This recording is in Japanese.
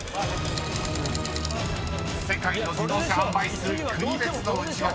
［世界の自動車販売数国別のウチワケ］